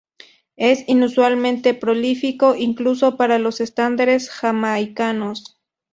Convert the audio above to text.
Es inusualmente prolífico, incluso para los estándares jamaicanos.